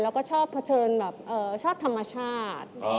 แล้วก็ชอบเผชิญแบบชอบธรรมชาติ